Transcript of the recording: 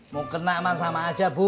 mau kena aman sama aja bu